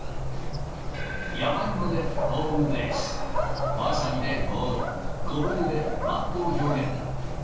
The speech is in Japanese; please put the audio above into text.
山芋でホームベース、わさびでボール、ごぼうでバットを表現。